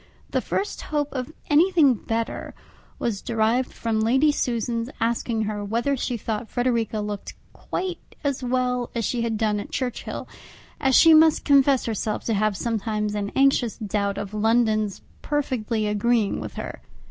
The first hope of anything better was derived from Lady Susan's asking her whether she thought Frederica looked quite as well as she had done at Churchhill, as she must confess herself to have sometimes an anxious doubt of London's perfectly agreeing with her.